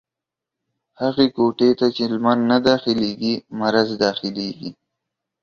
هغي کوټې ته چې لمر نه داخلېږي ، مرض دا خلېږي.